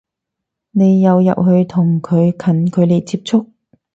你有入去同佢近距離接觸？